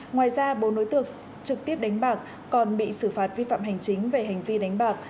ngoài ra bốn đối tượng trực tiếp đánh bạc còn bị xử phạt vi phạm hành chính về hành vi đánh bạc